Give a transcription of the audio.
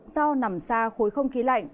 do nằm xa khối không khí lạnh